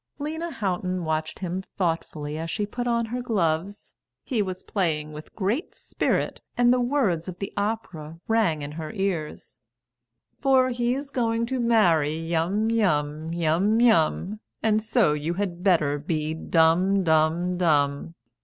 Lena Houghton watched him thoughtfully as she put on her gloves; he was playing with great spirit, and the words of the opera rang in her ears: For he's going to marry Yum yum, Yum yum, And so you had better be dumb, dumb, dumb!